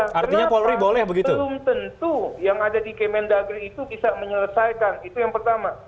belum tentu yang ada di kemendagri itu bisa menyelesaikan itu yang pertama